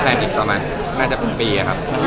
แต่นอีกสัมมันน่าจะพรุ่งปีอะครับ